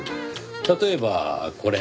例えばこれ。